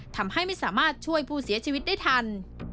ทำให้ไม่สามารถช่วยผู้เสียชีวิตได้ทัน